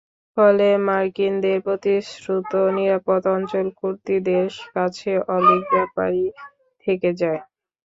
ফলে মার্কিনদের প্রতিশ্রুত নিরাপদ অঞ্চল কুর্দিদের কাছে অলীক ব্যাপারই থেকে যায়।